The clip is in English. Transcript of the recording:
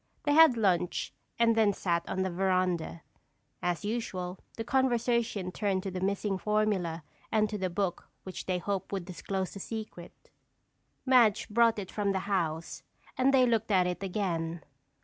They had lunch and then sat on the veranda. As usual the conversation turned to the missing formula and to the book which they hoped would disclose the secret. Madge brought it from the house and they looked at it again.